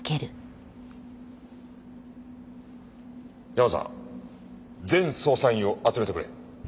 ヤマさん全捜査員を集めてくれ。